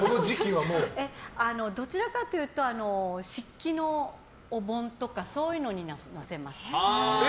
どちらかというと漆器のお盆とかそういうのにのせます。